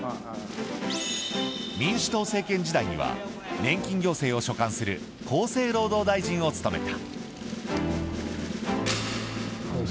民主党政権時代には年金行政を所管する厚生労働大臣を務めた。